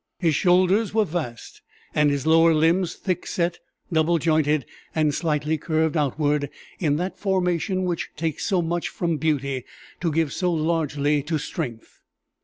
His shoulders were vast, and his lower limbs thick set, double jointed, and slightly curved outward, in that formation which takes so much from beauty to give so largely to strength.